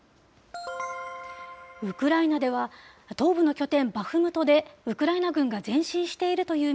ウクライナでは、東部の拠点バフムトで、ウクライナ軍が前進